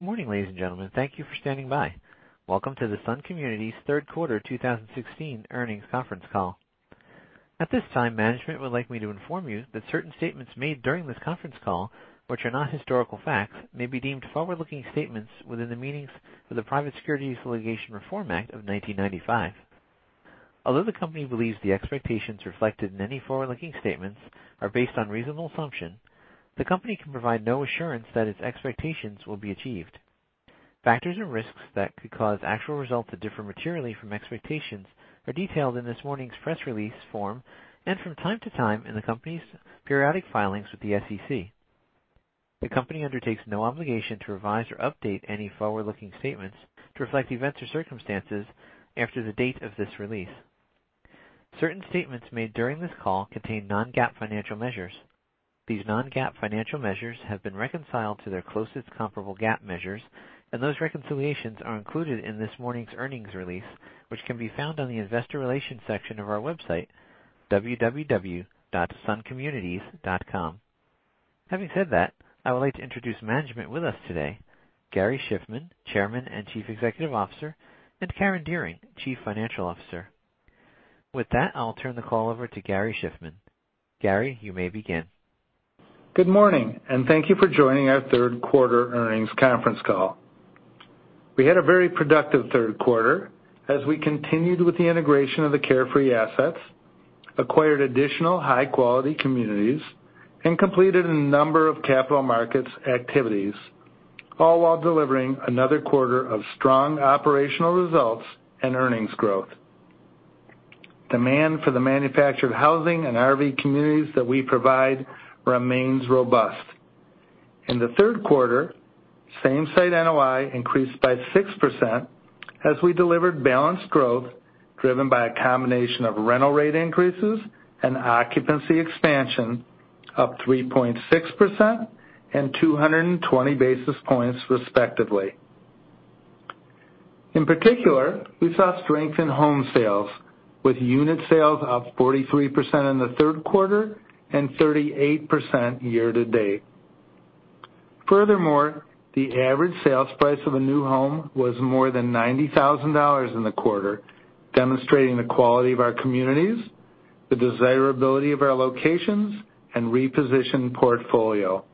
Good morning, ladies and gentlemen. Thank you for standing by. Welcome to the Sun Communities Third Quarter 2016 Earnings Conference Call. At this time, management would like me to inform you that certain statements made during this conference call, which are not historical facts, may be deemed forward-looking statements within the meanings of the Private Securities Litigation Reform Act of 1995. Although the company believes the expectations reflected in any forward-looking statements are based on reasonable assumptions, the company can provide no assurance that its expectations will be achieved. Factors or risks that could cause actual results to differ materially from expectations are detailed in this morning's press release, and from time to time, in the company's periodic filings with the SEC. The company undertakes no obligation to revise or update any forward-looking statements to reflect events or circumstances after the date of this release. Certain statements made during this call contain non-GAAP financial measures. These non-GAAP financial measures have been reconciled to their closest comparable GAAP measures, and those reconciliations are included in this morning's earnings release, which can be found on the Investor Relations section of our website, www.suncommunities.com. Having said that, I would like to introduce management with us today, Gary Shiffman, Chairman and Chief Executive Officer, and Karen Dearing, Chief Financial Officer. With that, I'll turn the call over to Gary Shiffman. Gary, you may begin. Good morning, and thank you for joining our third quarter earnings conference call. We had a very productive third quarter as we continued with the integration of the Carefree assets, acquired additional high-quality communities, and completed a number of capital markets activities, all while delivering another quarter of strong operational results and earnings growth. Demand for the manufactured housing and RV communities that we provide remains robust. In the third quarter, same site NOI increased by 6%, as we delivered balanced growth, driven by a combination of rental rate increases and occupancy expansion, up 3.6% and 220 basis points, respectively. In particular, we saw strength in home sales, with unit sales up 43% in the third quarter and 38% year to date. Furthermore, the average sales price of a new home was more than $90,000 in the quarter, demonstrating the quality of our communities, the desirability of our locations, and repositioned portfolio.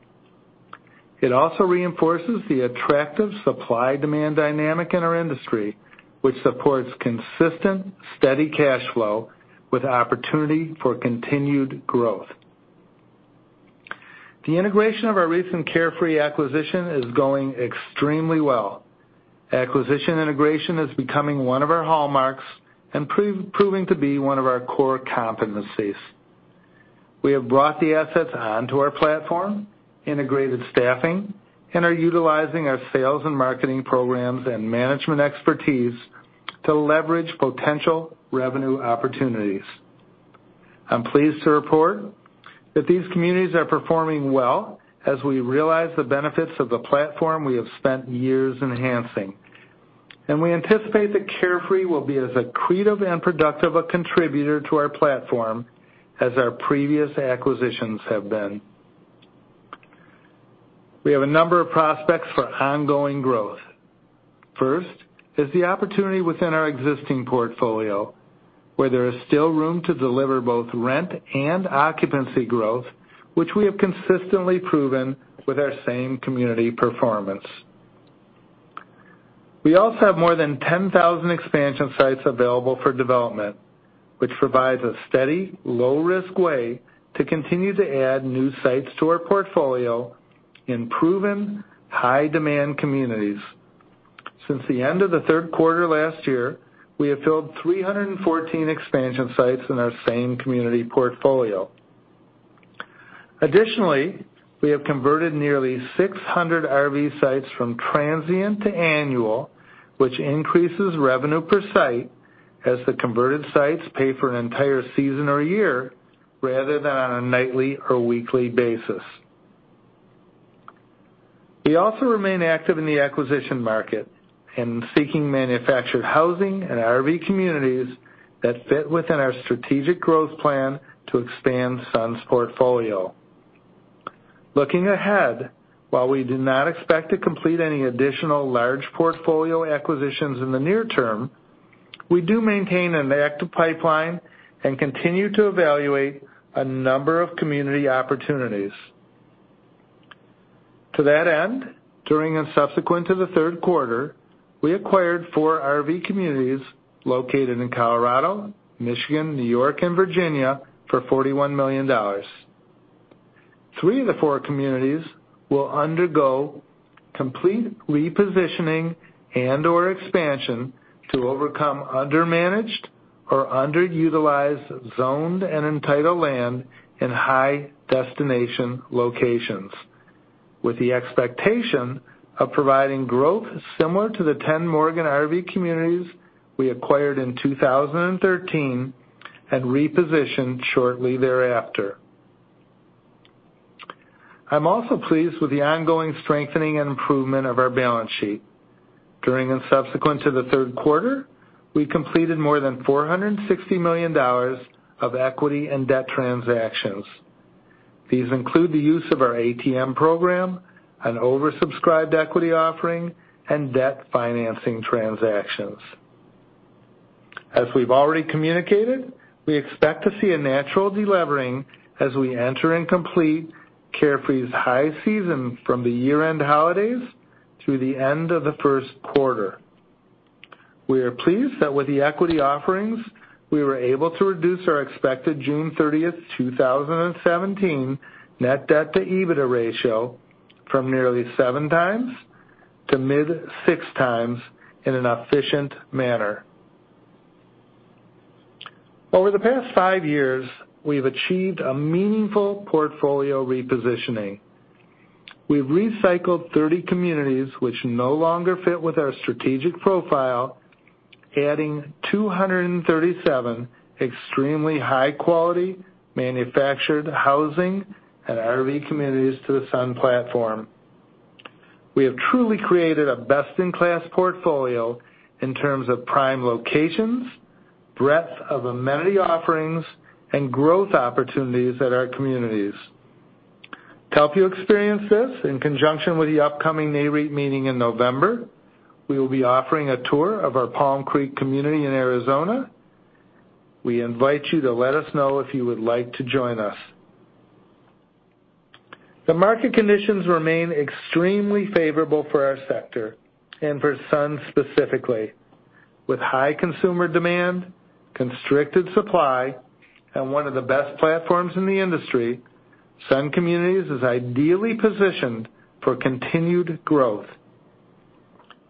It also reinforces the attractive supply-demand dynamic in our industry, which supports consistent, steady cash flow with opportunity for continued growth. The integration of our recent Carefree acquisition is going extremely well. Acquisition integration is becoming one of our hallmarks and proving to be one of our core competencies. We have brought the assets onto our platform, integrated staffing, and are utilizing our sales and marketing programs and management expertise to leverage potential revenue opportunities. I'm pleased to report that these communities are performing well as we realize the benefits of the platform we have spent years enhancing, and we anticipate that Carefree will be as accretive and productive a contributor to our platform as our previous acquisitions have been. We have a number of prospects for ongoing growth. First is the opportunity within our existing portfolio, where there is still room to deliver both rent and occupancy growth, which we have consistently proven with our same community performance. We also have more than 10,000 expansion sites available for development, which provides a steady, low-risk way to continue to add new sites to our portfolio in proven high-demand communities. Since the end of the third quarter last year, we have filled 314 expansion sites in our same community portfolio. Additionally, we have converted nearly 600 RV sites from transient to annual, which increases revenue per site as the converted sites pay for an entire season or year rather than on a nightly or weekly basis. We also remain active in the acquisition market and seeking manufactured housing and RV communities that fit within our strategic growth plan to expand Sun's portfolio. Looking ahead, while we do not expect to complete any additional large portfolio acquisitions in the near term, we do maintain an active pipeline and continue to evaluate a number of community opportunities. To that end, during and subsequent to the third quarter, we acquired four RV communities located in Colorado, Michigan, New York, and Virginia for $41 million. three of the four communities will undergo complete repositioning and/or expansion to overcome undermanaged or underutilized, zoned, and entitled land in high-destination locations, with the expectation of providing growth similar to the 10 Morgan RV communities we acquired in 2013 and repositioned shortly thereafter. I'm also pleased with the ongoing strengthening and improvement of our balance sheet. During and subsequent to the third quarter, we completed more than $460 million of equity and debt transactions. These include the use of our ATM program, an oversubscribed equity offering, and debt financing transactions. As we've already communicated, we expect to see a natural delevering as we enter and complete Carefree's high season from the year-end holidays through the end of the first quarter. We are pleased that with the equity offerings, we were able to reduce our expected June 30th, 2017, net debt to EBITDA ratio from nearly seven times to mid-six times in an efficient manner. Over the past five years, we've achieved a meaningful portfolio repositioning. We've recycled 30 communities which no longer fit with our strategic profile, adding 237 extremely high-quality manufactured housing and RV communities to the Sun platform. We have truly created a best-in-class portfolio in terms of prime locations, breadth of amenity offerings, and growth opportunities at our communities. To help you experience this, in conjunction with the upcoming NAREIT meeting in November, we will be offering a tour of our Palm Creek community in Arizona. We invite you to let us know if you would like to join us. The market conditions remain extremely favorable for our sector and for Sun specifically. With high consumer demand, constricted supply, and one of the best platforms in the industry, Sun Communities is ideally positioned for continued growth.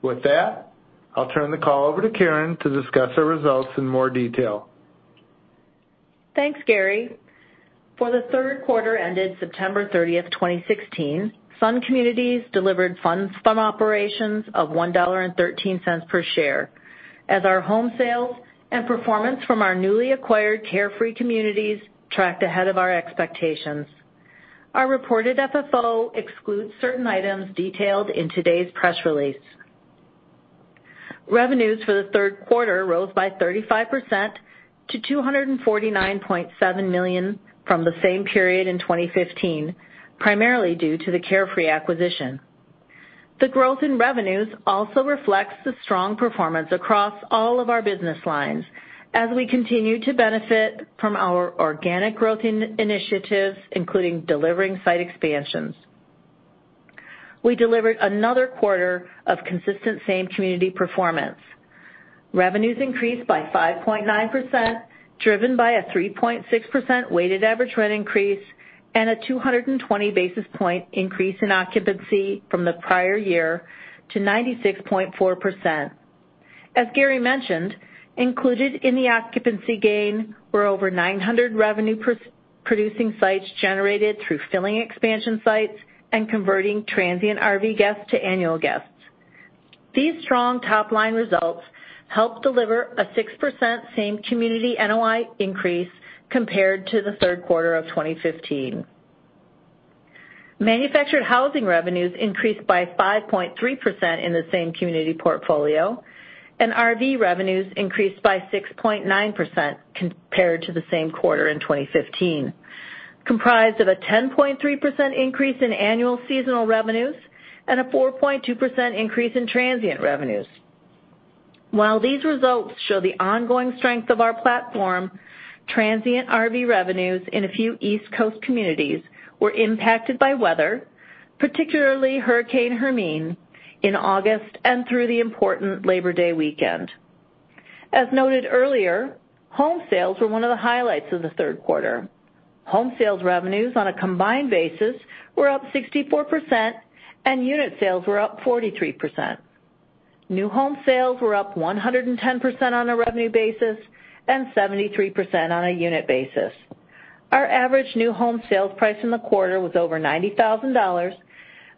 With that, I'll turn the call over to Karen to discuss our results in more detail. Thanks, Gary. For the third quarter ended September 30th, 2016, Sun Communities delivered funds from operations of $1.13 per share, as our home sales and performance from our newly acquired Carefree Communities tracked ahead of our expectations. Our reported FFO excludes certain items detailed in today's press release. Revenues for the third quarter rose by 35% to $249.7 million from the same period in 2015, primarily due to the Carefree acquisition. The growth in revenues also reflects the strong performance across all of our business lines as we continue to benefit from our organic growth in initiatives, including delivering site expansions. We delivered another quarter of consistent same-community performance. Revenues increased by 5.9%, driven by a 3.6% weighted average rent increase and a 220 basis point increase in occupancy from the prior year to 96.4%. As Gary mentioned, included in the occupancy gain were over 900 revenue-producing sites generated through filling expansion sites and converting transient RV guests to annual guests. These strong top-line results helped deliver a 6% same-community NOI increase compared to the third quarter of 2015. Manufactured housing revenues increased by 5.3% in the same community portfolio, and RV revenues increased by 6.9% compared to the same quarter in 2015, comprised of a 10.3% increase in annual seasonal revenues and a 4.2% increase in transient revenues. While these results show the ongoing strength of our platform, transient RV revenues in a few East Coast communities were impacted by weather, particularly Hurricane Hermine, in August and through the important Labor Day weekend. As noted earlier, home sales were one of the highlights of the third quarter. Home sales revenues on a combined basis were up 64%, and unit sales were up 43%. New home sales were up 110% on a revenue basis and 73% on a unit basis. Our average new home sales price in the quarter was over $90,000,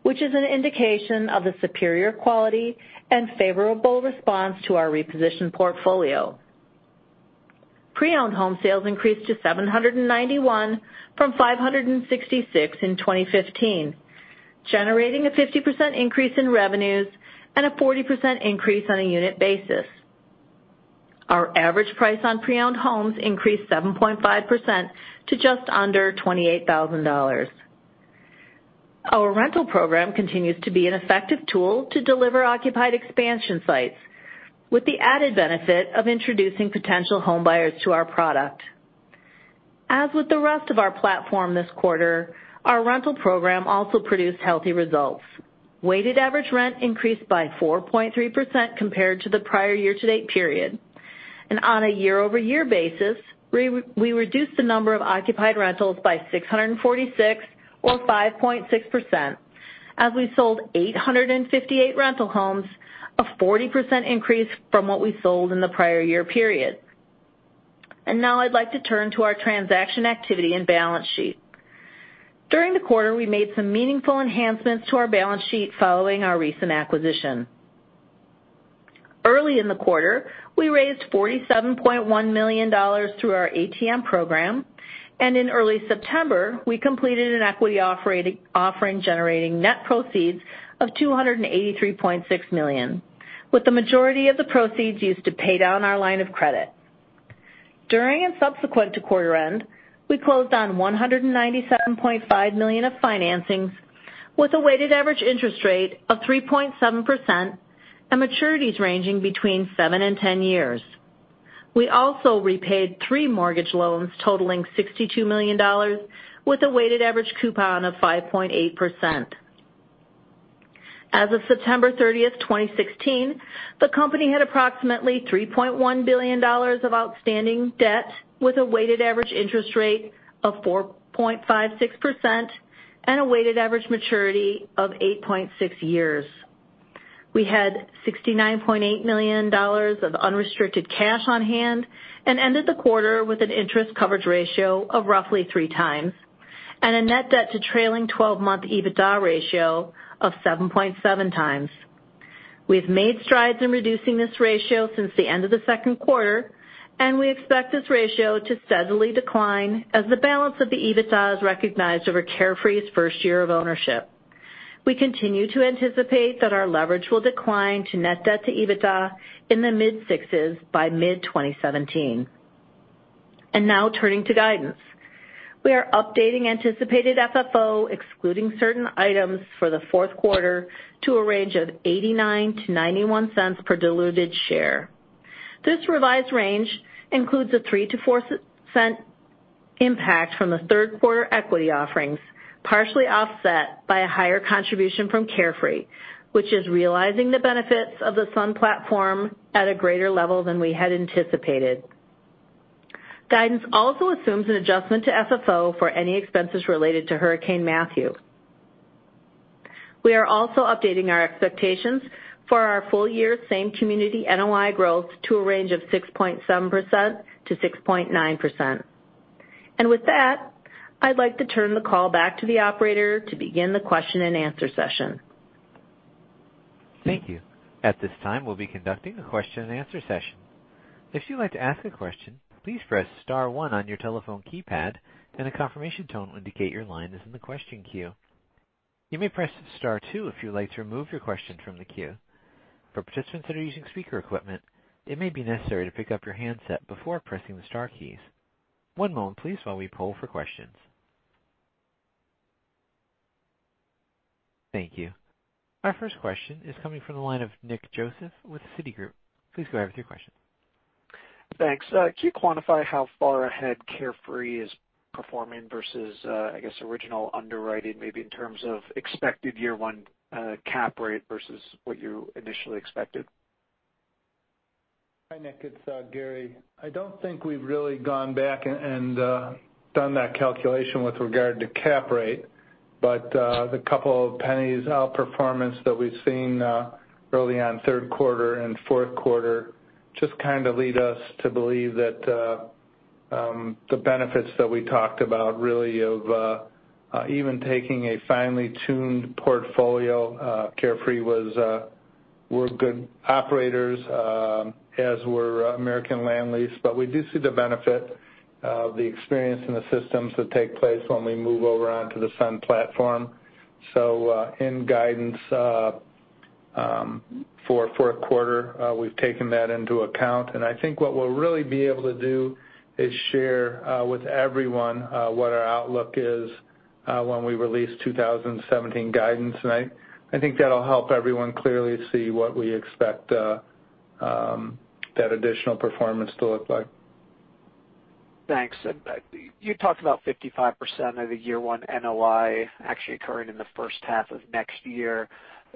which is an indication of the superior quality and favorable response to our repositioned portfolio. Pre-owned home sales increased to 791 from 566 in 2015, generating a 50% increase in revenues and a 40% increase on a unit basis. Our average price on pre-owned homes increased 7.5% to just under $28,000. Our rental program continues to be an effective tool to deliver occupied expansion sites, with the added benefit of introducing potential home buyers to our product. As with the rest of our platform this quarter, our rental program also produced healthy results. Weighted average rent increased by 4.3% compared to the prior year-to-date period. On a year-over-year basis, we, we reduced the number of occupied rentals by 646, or 5.6%, as we sold 858 rental homes, a 40% increase from what we sold in the prior year period. Now I'd like to turn to our transaction activity and balance sheet. During the quarter, we made some meaningful enhancements to our balance sheet following our recent acquisition. Early in the quarter, we raised $47.1 million through our ATM program, and in early September, we completed an equity offering generating net proceeds of $283.6 million, with the majority of the proceeds used to pay down our line of credit. During and subsequent to quarter end, we closed on $197.5 million of financings with a weighted average interest rate of 3.7% and maturities ranging between seven and 10 years. We also repaid three mortgage loans totaling $62 million, with a weighted average coupon of 5.8%. As of September 30th, 2016, the company had approximately $3.1 billion of outstanding debt, with a weighted average interest rate of 4.56% and a weighted average maturity of 8.6 years. We had $69.8 million of unrestricted cash on hand and ended the quarter with an interest coverage ratio of roughly three times and a net debt to trailing 12-month EBITDA ratio of 7.7 times. We've made strides in reducing this ratio since the end of the second quarter, and we expect this ratio to steadily decline as the balance of the EBITDA is recognized over Carefree's first year of ownership. We continue to anticipate that our leverage will decline to net debt to EBITDA in the mid-6s by mid-2017. Now turning to guidance. We are updating anticipated FFO, excluding certain items for the fourth quarter, to a range of $0.89-$0.91 per diluted share. This revised range includes a three to four impact from the third quarter equity offerings, partially offset by a higher contribution from Carefree, which is realizing the benefits of the Sun platform at a greater level than we had anticipated. Guidance also assumes an adjustment to FFO for any expenses related to Hurricane Matthew. We are also updating our expectations for our full year same community NOI growth to a range of 6.7%-6.9%. And with that, I'd like to turn the call back to the operator to begin the question and answer session. Thank you. At this time, we'll be conducting a question-and-answer session. If you'd like to ask a question, please press star one on your telephone keypad, and a confirmation tone will indicate your line is in the question queue. You may press star two if you'd like to remove your question from the queue. For participants that are using speaker equipment, it may be necessary to pick up your handset before pressing the star keys. One moment, please, while we poll for questions. Thank you. Our first question is coming from the line of Nick Joseph with Citigroup. Please go ahead with your question. Thanks. Can you quantify how far ahead Carefree is performing versus, I guess, original underwriting, maybe in terms of expected year one, cap rate versus what you initially expected? Hi, Nick, it's Gary. I don't think we've really gone back and done that calculation with regard to cap rate, but the couple of pennies outperformance that we've seen early on third quarter and fourth quarter just kind of lead us to believe that the benefits that we talked about really of even taking a finely tuned portfolio, Carefree were good operators, as were American Land Lease. But we do see the benefit of the experience and the systems that take place when we move over onto the Sun platform. So, in guidance for fourth quarter, we've taken that into account, and I think what we'll really be able to do is share with everyone what our outlook is when we release 2017 guidance. I think that'll help everyone clearly see what we expect, that additional performance to look like. Thanks. You talked about 55% of the year one NOI actually occurring in the first half of next year.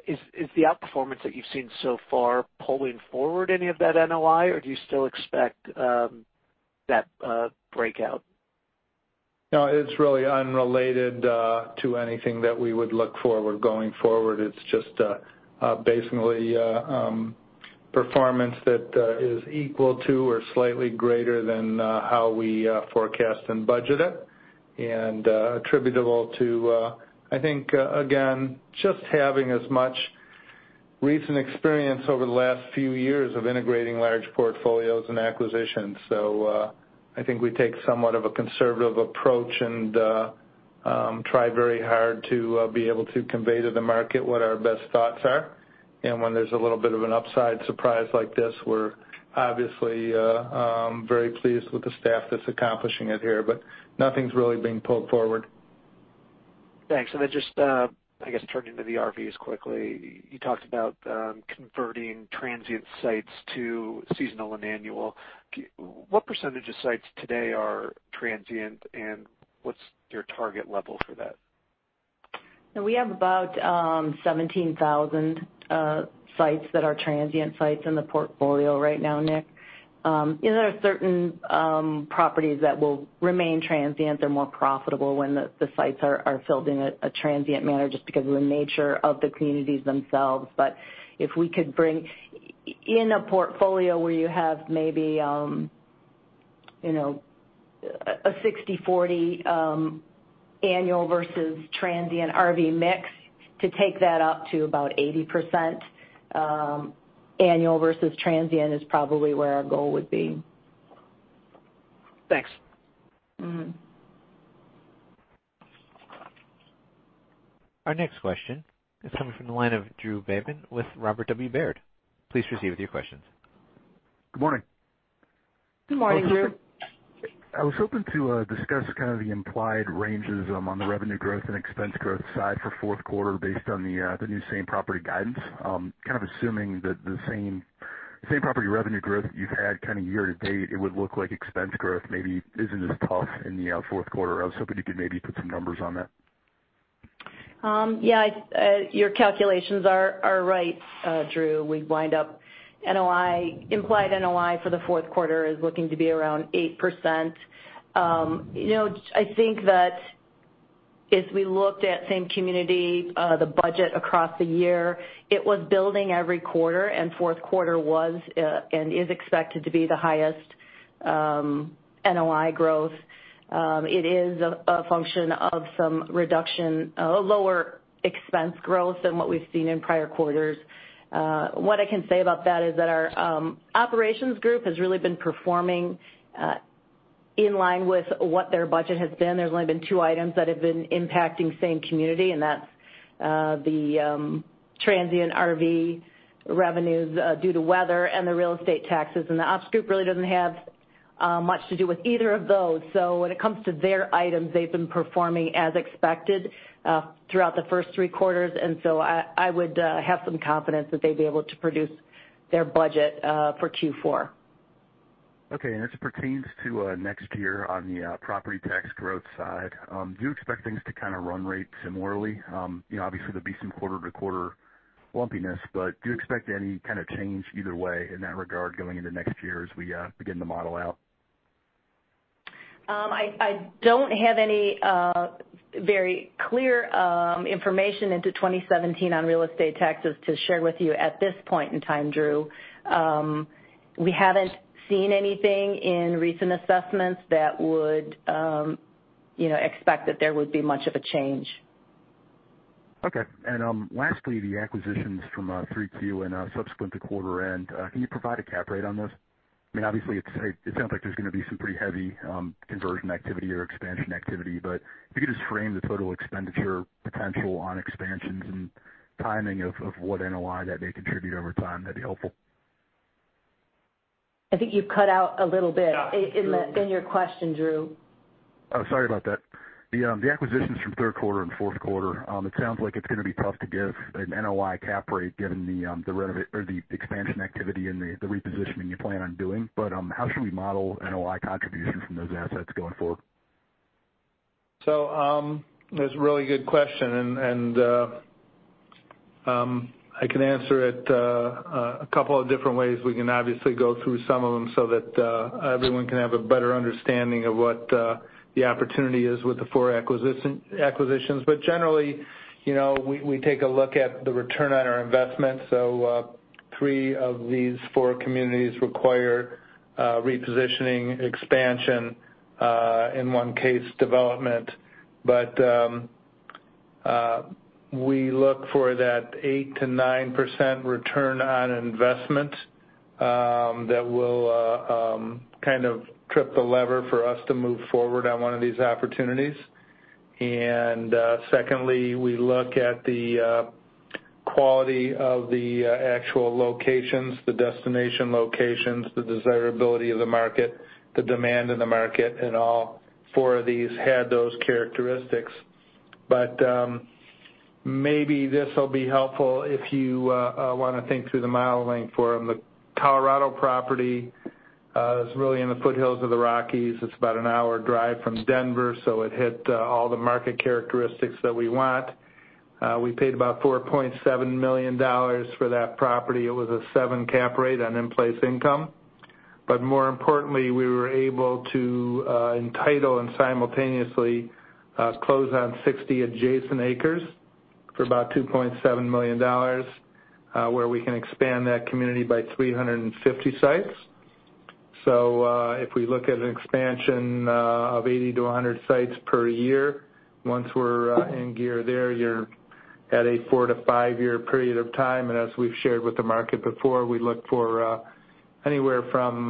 Is the outperformance that you've seen so far pulling forward any of that NOI, or do you still expect that breakout? No, it's really unrelated to anything that we would look for going forward. It's just basically performance that is equal to or slightly greater than how we forecast and budget it, and attributable to, I think, again, just having as much recent experience over the last few years of integrating large portfolios and acquisitions. So, I think we take somewhat of a conservative approach and try very hard to be able to convey to the market what our best thoughts are. And when there's a little bit of an upside surprise like this, we're obviously very pleased with the staff that's accomplishing it here, but nothing's really being pulled forward. Thanks. And then just, I guess, turning to the RVs quickly, you talked about converting transient sites to seasonal and annual. What percentage of sites today are transient, and what's your target level for that? So we have about 17,000 sites that are transient sites in the portfolio right now, Nick. There are certain properties that will remain transient. They're more profitable when the sites are filled in a transient manner, just because of the nature of the communities themselves. But if we could bring... In a portfolio where you have maybe, you know, a 60/40 annual versus transient RV mix, to take that up to about 80% annual versus transient is probably where our goal would be. Thanks. Mm-hmm.... Our next question is coming from the line of Drew Babin with Robert W. Baird. Please proceed with your questions. Good morning. Good morning, Drew. I was hoping to discuss kind of the implied ranges on the revenue growth and expense growth side for fourth quarter based on the new same property guidance. Kind of assuming that the same property revenue growth you've had kind of year to date, it would look like expense growth maybe isn't as tough in the fourth quarter. I was hoping you could maybe put some numbers on that. Yeah, your calculations are right, Drew. We wind up NOI-implied NOI for the fourth quarter is looking to be around 8%. You know, I think that as we looked at same community, the budget across the year, it was building every quarter, and fourth quarter was, and is expected to be the highest NOI growth. It is a function of some reduction, lower expense growth than what we've seen in prior quarters. What I can say about that is that our operations group has really been performing in line with what their budget has been. There's only been two items that have been impacting same community, and that's the transient RV revenues due to weather and the real estate taxes. The ops group really doesn't have much to do with either of those. When it comes to their items, they've been performing as expected throughout the first three quarters, and so I would have some confidence that they'd be able to produce their budget for Q4. Okay. As it pertains to next year on the property tax growth side, do you expect things to kind of run rate similarly? You know, obviously, there'll be some quarter-to-quarter lumpiness, but do you expect any kind of change either way in that regard going into next year as we begin to model out? I don't have any very clear information into 2017 on real estate taxes to share with you at this point in time, Drew. We haven't seen anything in recent assessments that would, you know, expect that there would be much of a change. Okay. And lastly, the acquisitions from 3Q and subsequent to quarter end, can you provide a cap rate on this? I mean, obviously, it sounds like there's gonna be some pretty heavy conversion activity or expansion activity, but if you could just frame the total expenditure potential on expansions and timing of what NOI that may contribute over time, that'd be helpful. I think you've cut out a little bit- Yeah. in your question, Drew. Oh, sorry about that. The acquisitions from third quarter and fourth quarter, it sounds like it's gonna be tough to give an NOI cap rate, given the renovation or the expansion activity and the repositioning you plan on doing. But, how should we model NOI contribution from those assets going forward? So, that's a really good question, and I can answer it a couple of different ways. We can obviously go through some of them so that everyone can have a better understanding of what the opportunity is with the four acquisitions. But generally, you know, we take a look at the return on our investment. So, three of these four communities require repositioning, expansion, in one case, development. But we look for that 8%-9% return on investment that will kind of trip the lever for us to move forward on one of these opportunities. And secondly, we look at the quality of the actual locations, the destination locations, the desirability of the market, the demand in the market, and all four of these had those characteristics. But maybe this will be helpful if you wanna think through the modeling for them. The Colorado property is really in the foothills of the Rockies. It's about an hour drive from Denver, so it hit all the market characteristics that we want. We paid about $4.7 million for that property. It was a seven cap rate on in-place income. But more importantly, we were able to entitle and simultaneously close on 60 adjacent acres for about $2.7 million, where we can expand that community by 350 sites. So if we look at an expansion of 80 to 100 sites per year, once we're in gear there, you're at a four to five-year period of time. As we've shared with the market before, we look for anywhere from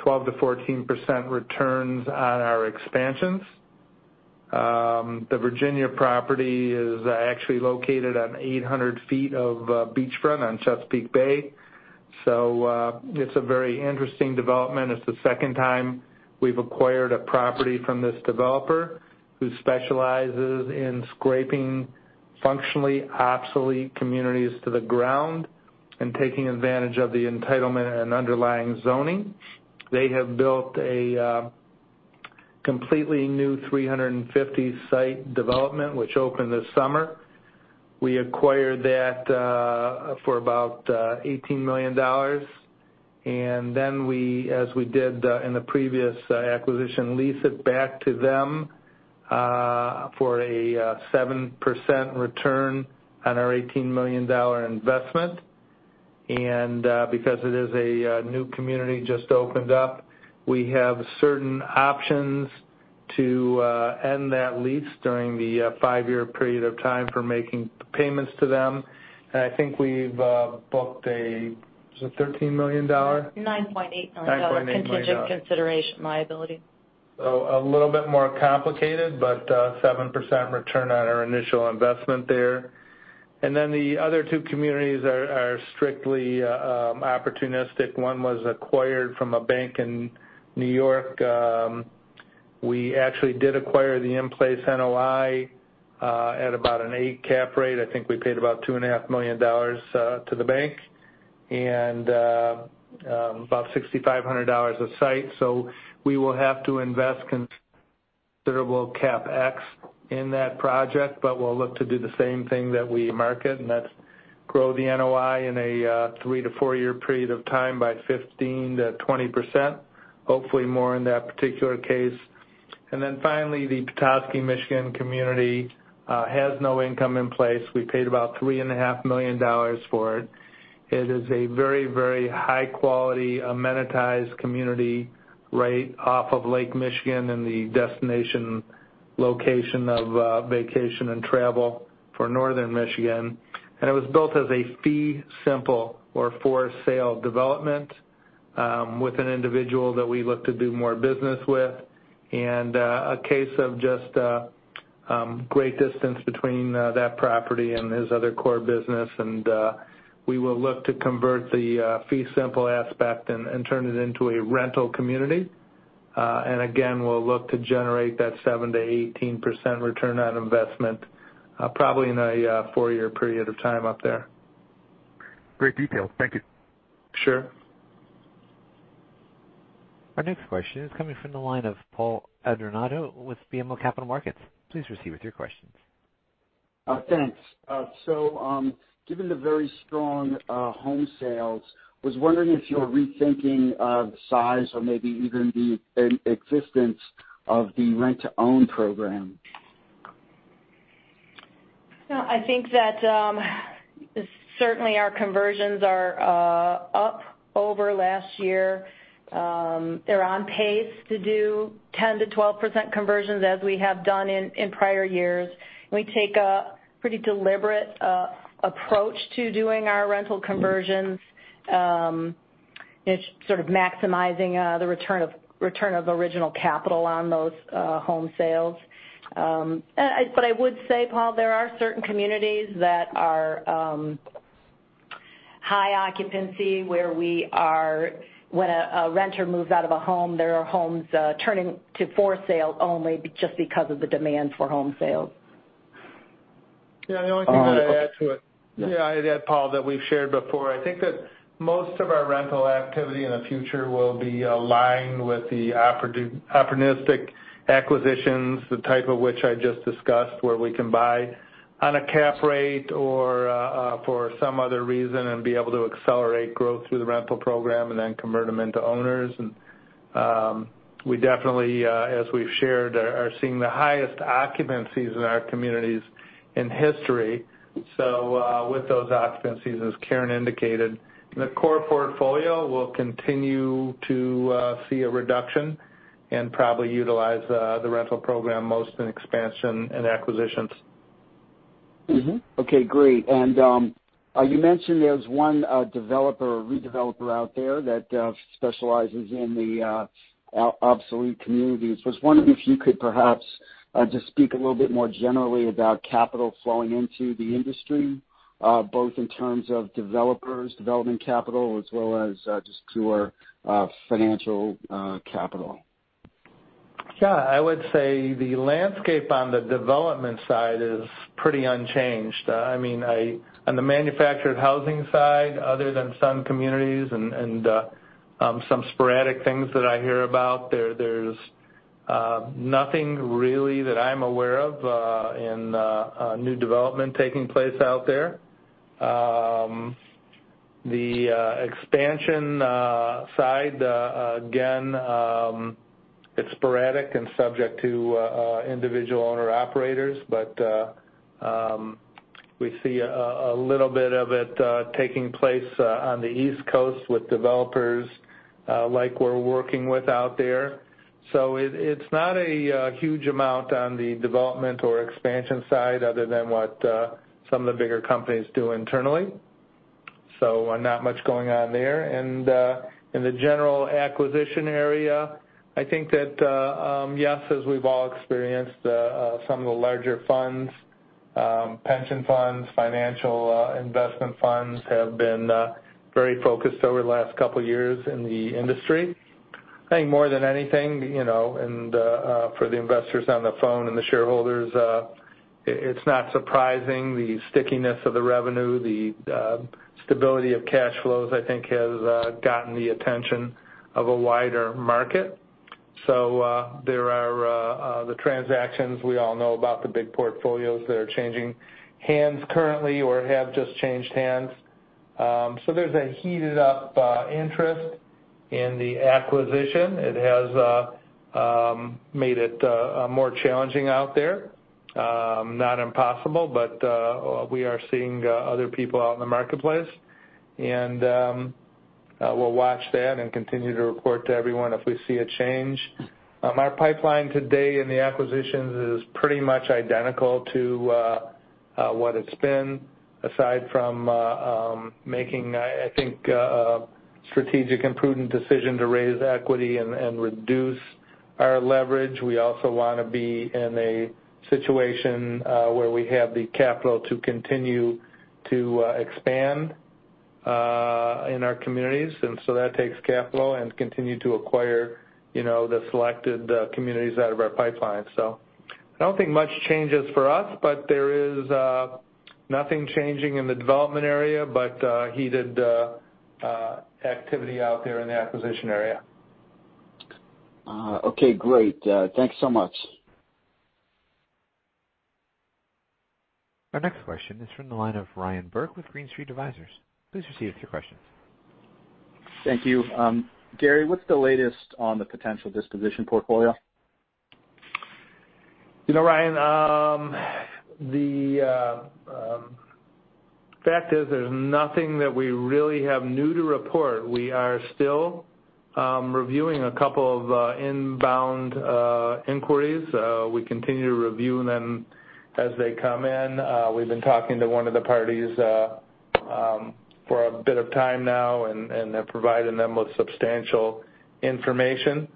12% to 14% returns on our expansions. The Virginia property is actually located on 800 feet of beachfront on Chesapeake Bay, so it's a very interesting development. It's the second time we've acquired a property from this developer, who specializes in scraping functionally obsolete communities to the ground and taking advantage of the entitlement and underlying zoning. They have built a completely new 350-site development, which opened this summer. We acquired that for about $18 million, and then we, as we did in the previous acquisition, leased it back to them for a 7% return on our $18 million investment. Because it is a new community, just opened up, we have certain options to end that lease during the five-year period of time for making payments to them. I think we've booked a... Is it $13 million? $9.8 million. $9.8 million. Contingent consideration liability. So a little bit more complicated, but, 7% return on our initial investment there. Then the other two communities are strictly opportunistic. One was acquired from a bank in New York. We actually did acquire the in-place NOI at about an eight cap rate. I think we paid about $2.5 million to the bank, and about $6,500 a site. So we will have to invest considerable CapEx in that project, but we'll look to do the same thing that we market, and that's grow the NOI in a three to four-year period of time by 15% to 20%, hopefully more in that particular case. Then finally, the Petoskey, Michigan community has no income in place. We paid about $3.5 million for it. It is a very, very high quality, amenitized community right off of Lake Michigan and the destination location of, vacation and travel for Northern Michigan. It was built as a fee simple or for sale development, with an individual that we look to do more business with, and a case of just, great distance between, that property and his other core business. We will look to convert the, fee simple aspect and turn it into a rental community. And again, we'll look to generate that 7% to 18% return on investment, probably in a four-year period of time up there. Great detail. Thank you. Sure. Our next question is coming from the line of Paul Adornato with BMO Capital Markets. Please proceed with your questions. Thanks. So, given the very strong home sales, I was wondering if you're rethinking of size or maybe even the existence of the rent-to-own program? Well, I think that certainly our conversions are up over last year. They're on pace to do 10% to 12% conversions as we have done in prior years. We take a pretty deliberate approach to doing our rental conversions. It's sort of maximizing the return of original capital on those home sales. But I would say, Paul, there are certain communities that are high occupancy, where we are, when a renter moves out of a home, there are homes turning to for sale only, just because of the demand for home sales. Yeah, the only thing that I'd add to it. Yeah, I'd add, Paul, that we've shared before, I think that most of our rental activity in the future will be aligned with the opportunistic acquisitions, the type of which I just discussed, where we can buy on a cap rate or for some other reason, and be able to accelerate growth through the rental program and then convert them into owners. And we definitely, as we've shared, are seeing the highest occupancies in our communities in history. So, with those occupancies, as Karen indicated, the core portfolio will continue to see a reduction and probably utilize the rental program most in expansion and acquisitions. Mm-hmm. Okay, great. And you mentioned there's one developer or redeveloper out there that specializes in the obsolete communities. I was wondering if you could perhaps just speak a little bit more generally about capital flowing into the industry, both in terms of developers, development capital, as well as just pure financial capital. Yeah, I would say the landscape on the development side is pretty unchanged. I mean, on the manufactured housing side, other than some communities and some sporadic things that I hear about, there's nothing really that I'm aware of in a new development taking place out there. The expansion side, again, it's sporadic and subject to individual owner-operators, but we see a little bit of it taking place on the East Coast with developers like we're working with out there. So it, it's not a huge amount on the development or expansion side other than what some of the bigger companies do internally. So, not much going on there. In the general acquisition area, I think that yes, as we've all experienced, some of the larger funds, pension funds, financial, investment funds, have been very focused over the last couple of years in the industry. I think more than anything, you know, for the investors on the phone and the shareholders, it's not surprising the stickiness of the revenue, the stability of cash flows, I think, has gotten the attention of a wider market. So, there are the transactions. We all know about the big portfolios that are changing hands currently or have just changed hands. So there's a heated up interest in the acquisition. It has made it more challenging out there. Not impossible, but we are seeing other people out in the marketplace, and we'll watch that and continue to report to everyone if we see a change. Our pipeline today in the acquisitions is pretty much identical to what it's been, aside from making, I think, a strategic and prudent decision to raise equity and reduce our leverage. We also wanna be in a situation where we have the capital to continue to expand in our communities. And so that takes capital and continue to acquire, you know, the selected communities out of our pipeline. So I don't think much changes for us, but there is nothing changing in the development area, but heated activity out there in the acquisition area. Okay, great. Thanks so much. Our next question is from the line of Ryan Burke with Green Street Advisors. Please proceed with your question. Thank you. Gary, what's the latest on the potential disposition portfolio? You know, Ryan, the fact is there's nothing that we really have new to report. We are still reviewing a couple of inbound inquiries. We continue to review them as they come in. We've been talking to one of the parties for a bit of time now, and have provided them with substantial information.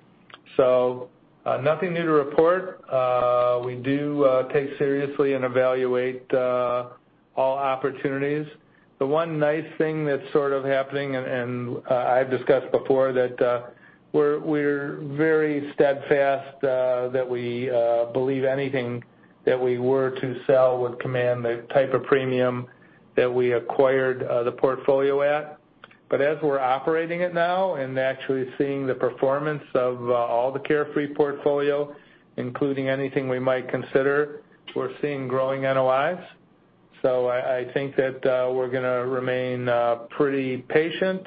So, nothing new to report. We do take seriously and evaluate all opportunities. The one nice thing that's sort of happening, and I've discussed before, that we're very steadfast that we believe anything that we were to sell would command the type of premium that we acquired the portfolio at. But as we're operating it now and actually seeing the performance of all the Carefree portfolio, including anything we might consider, we're seeing growing NOIs. So I think that we're gonna remain pretty patient,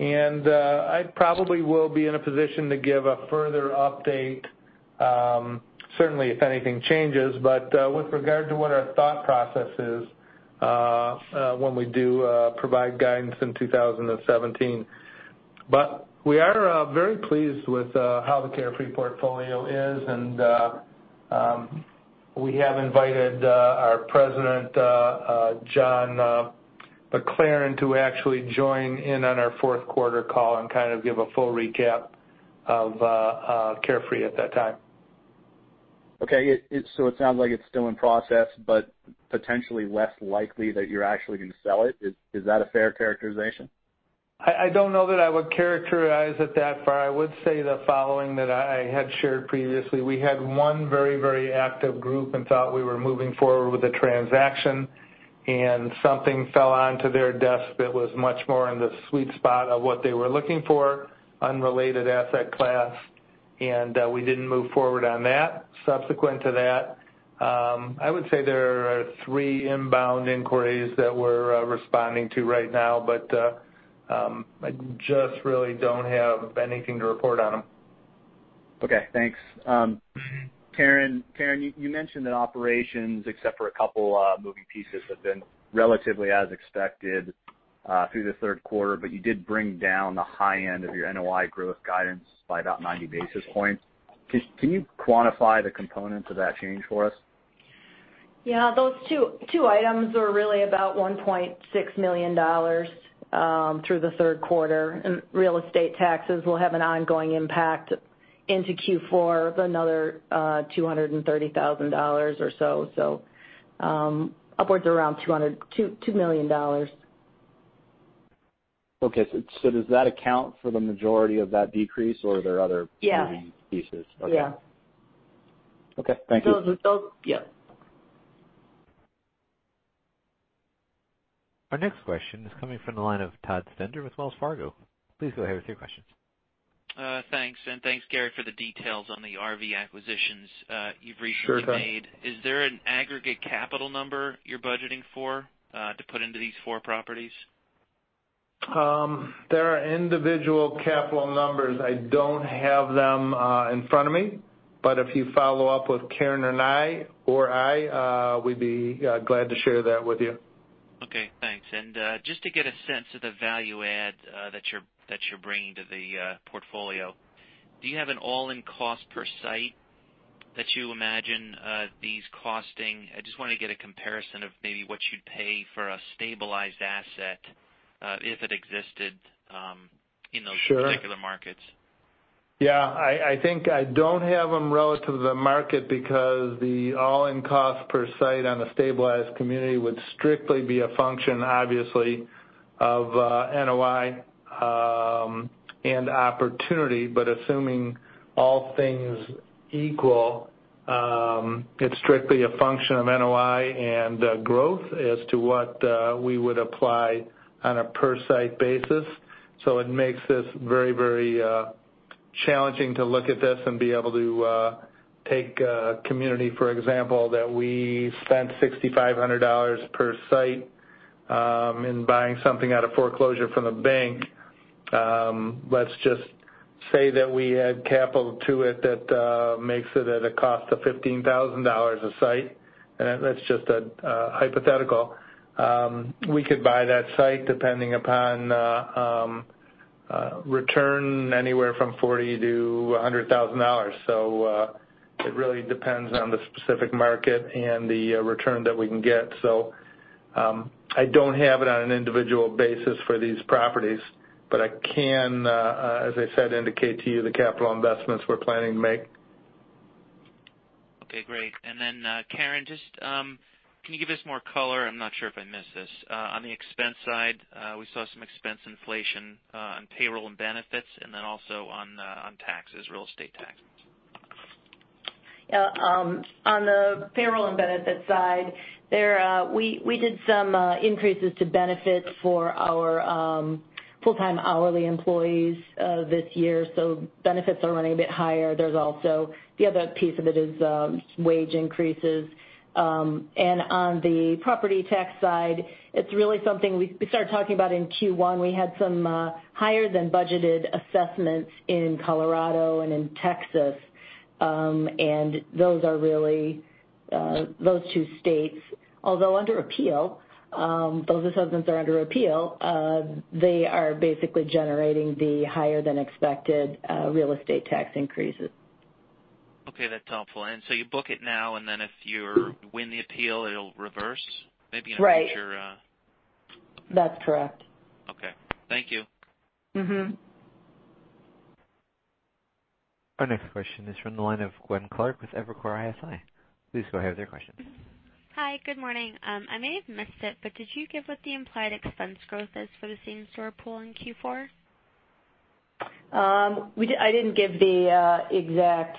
and I probably will be in a position to give a further update, certainly if anything changes, but with regard to what our thought process is, when we do provide guidance in 2017. But we are very pleased with how the Carefree portfolio is, and we have invited our president, John McLaren, to actually join in on our fourth quarter call and kind of give a full recap of Carefree at that time. Okay. So it sounds like it's still in process, but potentially less likely that you're actually going to sell it. Is that a fair characterization? I don't know that I would characterize it that far. I would say the following, that I had shared previously: We had one very, very active group and thought we were moving forward with a transaction, and something fell onto their desk that was much more in the sweet spot of what they were looking for, unrelated asset class, and we didn't move forward on that. Subsequent to that, I would say there are three inbound inquiries that we're responding to right now, but I just really don't have anything to report on them. Okay, thanks. Karen, you mentioned that operations, except for a couple moving pieces, have been relatively as expected through the third quarter, but you did bring down the high end of your NOI growth guidance by about 90 basis points. Can you quantify the components of that change for us? Yeah. Those two items are really about $1.6 million through the third quarter, and real estate taxes will have an ongoing impact into Q4 of another $230,000 or so. So, upwards around $2 million. Okay. So, does that account for the majority of that decrease, or are there other- Yeah -moving pieces? Yeah. Okay. Thank you. Those, yeah. Our next question is coming from the line of Todd Stender with Wells Fargo. Please go ahead with your questions. Thanks, and thanks, Gary, for the details on the RV acquisitions you've recently made. Sure, Todd. Is there an aggregate capital number you're budgeting for, to put into these four properties? There are individual capital numbers. I don't have them in front of me, but if you follow up with Karen and I, we'd be glad to share that with you. Okay, thanks. Just to get a sense of the value add that you're bringing to the portfolio, do you have an all-in cost per site that you imagine these costing? I just wanna get a comparison of maybe what you'd pay for a stabilized asset if it existed in those- Sure -particular markets. Yeah, I, I think I don't have them relative to the market because the all-in cost per site on a stabilized community would strictly be a function, obviously, of NOI and opportunity. But assuming all things equal, it's strictly a function of NOI and growth as to what we would apply on a per site basis. So it makes this very, very challenging to look at this and be able to take a community, for example, that we spent $6,500 per site in buying something out of foreclosure from the bank. Let's just say that we add capital to it that makes it at a cost of $15,000 a site, and that's just a hypothetical. We could buy that site, depending upon return anywhere from $40,000 to $100,000. So, it really depends on the specific market and the return that we can get. So, I don't have it on an individual basis for these properties, but I can, as I said, indicate to you the capital investments we're planning to make. Okay, great. And then, Karen, just, can you give us more color? I'm not sure if I missed this. On the expense side, we saw some expense inflation, on payroll and benefits and then also on taxes, real estate taxes. Yeah, on the payroll and benefit side, we did some increases to benefits for our full-time hourly employees this year, so benefits are running a bit higher. There's also the other piece of it is wage increases. And on the property tax side, it's really something we started talking about in Q1. We had some higher-than-budgeted assessments in Colorado and in Texas. And those are really those two states, although under appeal, those assessments are under appeal, they are basically generating the higher-than-expected real estate tax increases. Okay, that's helpful. And so you book it now, and then if you win the appeal, it'll reverse maybe in a future- Right. That's correct. Okay. Thank you. Mm-hmm. Our next question is from the line of Gwen Clark with Evercore ISI. Please go ahead with your question. Hi, good morning. I may have missed it, but did you give what the implied expense growth is for the same-store pool in Q4? I didn't give the exact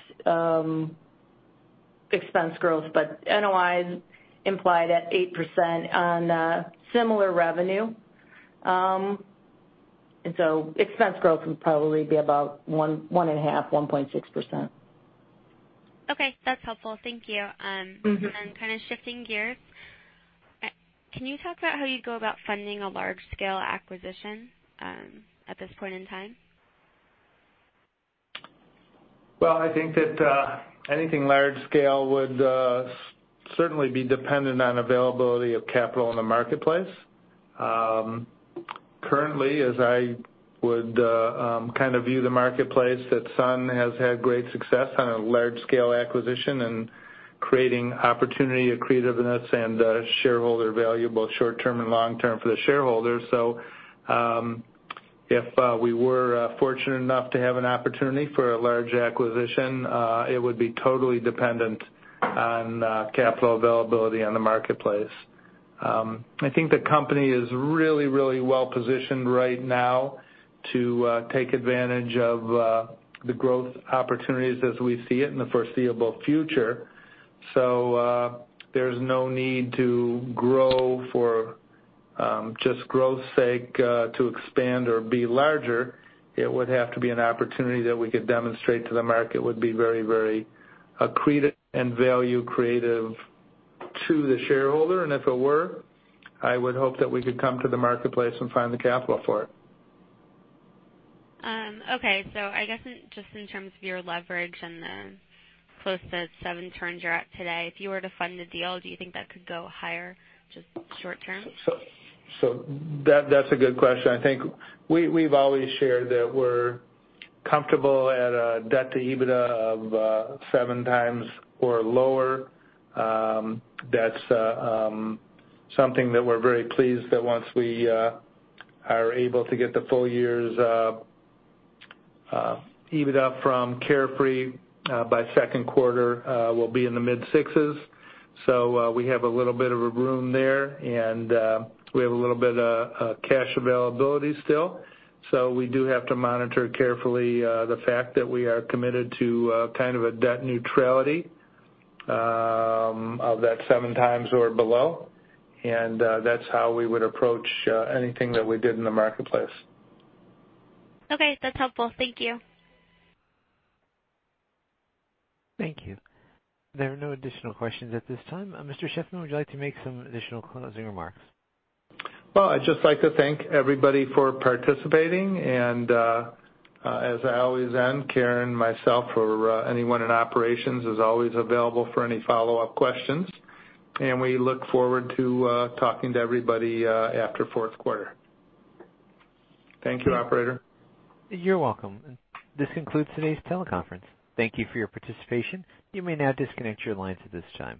expense growth, but NOIs implied at 8% on similar revenue. And so expense growth would probably be about 1.5%, 1.6%. Okay, that's helpful. Thank you. Mm-hmm. Kind of shifting gears, can you talk about how you'd go about funding a large-scale acquisition at this point in time? Well, I think that anything large scale would certainly be dependent on availability of capital in the marketplace. Currently, as I would kind of view the marketplace, that Sun has had great success on a large-scale acquisition and creating opportunity, accretiveness, and shareholder value, both short term and long term for the shareholders. So, if we were fortunate enough to have an opportunity for a large acquisition, it would be totally dependent on capital availability in the marketplace. I think the company is really, really well positioned right now to take advantage of the growth opportunities as we see it in the foreseeable future. So, there's no need to grow for just growth's sake to expand or be larger. It would have to be an opportunity that we could demonstrate to the market would be very, very accretive and value creative to the shareholder. If it were, I would hope that we could come to the marketplace and find the capital for it. Okay. So I guess, just in terms of your leverage and the close to seven turns you're at today, if you were to fund a deal, do you think that could go higher, just short term? So, that's a good question. I think we've always shared that we're comfortable at a debt to EBITDA of seven times or lower. That's something that we're very pleased that once we are able to get the full year's EBITDA from Carefree by second quarter, we'll be in the mid-6s. So we have a little bit of a room there, and we have a little bit of cash availability still. So we do have to monitor carefully the fact that we are committed to kind of a debt neutrality of that seven times or below. And that's how we would approach anything that we did in the marketplace. Okay, that's helpful. Thank you. Thank you. There are no additional questions at this time. Mr. Shiffman, would you like to make some additional closing remarks? Well, I'd just like to thank everybody for participating, and, as I always end, Karen, myself, or, anyone in operations is always available for any follow-up questions, and we look forward to, talking to everybody, after fourth quarter. Thank you, operator. You're welcome. This concludes today's teleconference. Thank you for your participation. You may now disconnect your lines at this time.